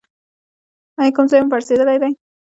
ایا کوم ځای مو پړسیدلی دی؟